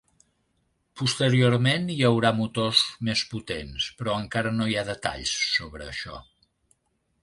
Posteriorment hi haurà motors més potents, però encara no hi ha detalls sobre això.